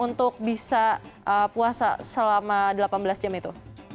untuk bisa puasa selama delapan belas jam itu